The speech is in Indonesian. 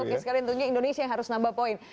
oke sekali tentunya indonesia yang harus nambah poin